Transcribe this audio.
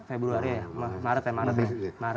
februari ya maret ya maret ya maret gitu kan